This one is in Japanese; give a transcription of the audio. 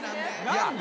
何で？